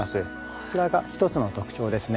そちらが一つの特徴ですね。